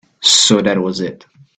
So that was it.